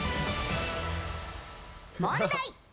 問題！